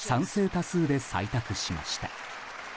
多数で採択しました。